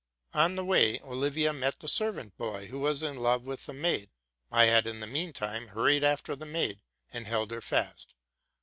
On the way Olivia met the servant boy, who was in love with the maid: I had in the mean time hurried after the maid. and held her fast.